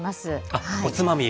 あっおつまみ。